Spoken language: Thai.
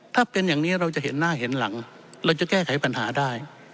ถ้าเป็นอย่างนี้เราจะเห็นหน้าเห็นหลังเราจะแก้ไขปัญหาได้